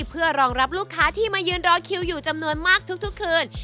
เพื่อรองรับลูกค้าที่มายืนรอคิวอยู่จำนวนมากทุกคืน